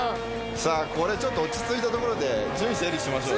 さあこれちょっと落ち着いたところで順位整理しましょう。